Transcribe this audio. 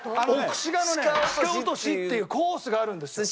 奥志賀のねシカ落としっていうコースがあるんですよ。